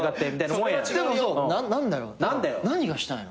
何がしたいの？」